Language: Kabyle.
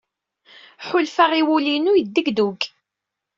Ḥulfaɣ i wul-inu yeddegdug.